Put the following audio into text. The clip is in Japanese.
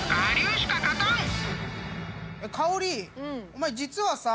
お前実はさ